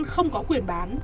và không có quyền bán